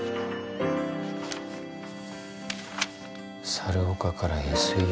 猿岡からＳＵ。